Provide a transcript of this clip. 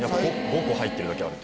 ５個入ってるだけある。